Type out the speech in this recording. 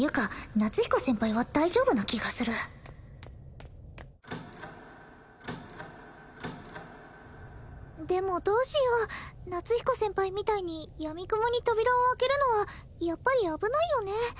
夏彦先輩は大丈夫な気がするでもどうしよう夏彦先輩みたいにやみくもに扉を開けるのはやっぱり危ないよね